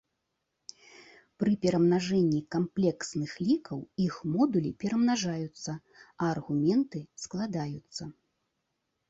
Пры перамнажэнні камплексных лікаў іх модулі перамнажаюцца, а аргументы складаюцца.